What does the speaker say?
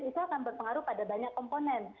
itu akan berpengaruh pada banyak komponen